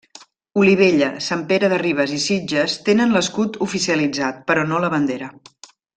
Olivella, Sant Pere de Ribes i Sitges tenen l'escut oficialitzat però no la bandera.